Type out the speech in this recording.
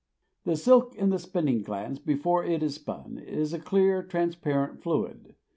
The silk in the spinning glands before it is spun is a clear, transparent fluid.